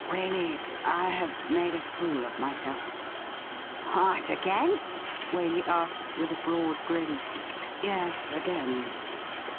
' Waley, I have made a fool of myself !'' What, again ?' Waley asked, with a broad grin. ' Yes, again.